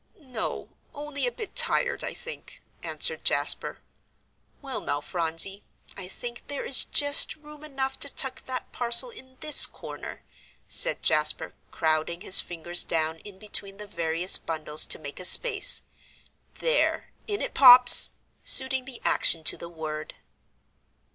"No, only a bit tired, I think," answered Jasper. "Well, now, Phronsie, I think there is just room enough to tuck that parcel in this corner," said Jasper, crowding his fingers down in between the various bundles to make a space. "There, in it pops!" suiting the action to the word.